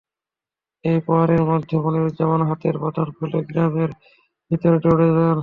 দুই প্রহরীর মধ্যে মনিরুজ্জামান হাতের বাঁধন খুলে গ্রামের ভেতরে দৌড়ে যান।